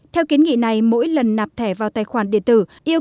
theo kiến nghị này mỗi lần nạp thẻ vào tài khoản điện tử